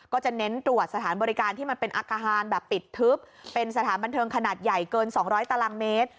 จะเน้นตรวจสถานบริการที่มันเป็นอาคารแบบปิดทึบเป็นสถานบันเทิงขนาดใหญ่เกิน๒๐๐ตารางเมตร